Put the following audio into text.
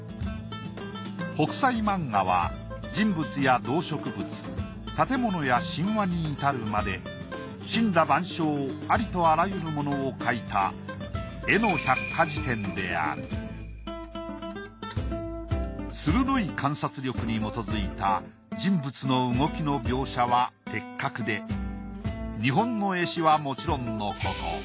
「北斎漫画」は人物や動植物建物や神話に至るまで森羅万象ありとあらゆるものを描いた鋭い観察力に基づいた人物の動きの描写は的確で日本の絵師はもちろんのこと